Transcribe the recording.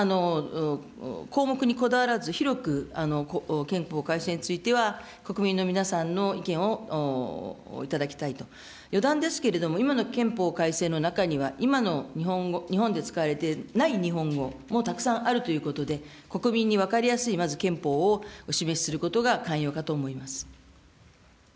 項目にこだわらず、広く憲法改正については、国民の皆さんの意見を頂きたいと、余談ですけれども、今の憲法改正の中には、今の日本で使われてない日本語もたくさんあるということで、国民に分かりやすい、まず憲法をお示しすることが寛容かと思います。